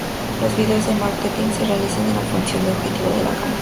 Los videos de marketing se realizan en función del objetivo de la campaña.